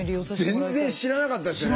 全然知らなかったですね。